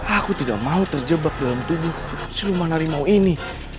aku tidak mau terjebak dalam tubuh si rumah harimau ini